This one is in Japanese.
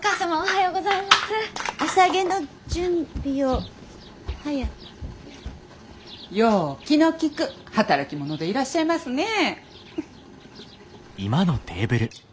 よう気の利く働き者でいらっしゃいますねえ。